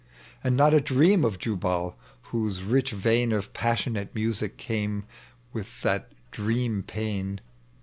And not a dieam ot Jubal, whose rich vein Of passionate musn, came with that dream pain.